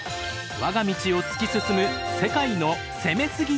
我が道を突き進む世界の「攻めすぎ！？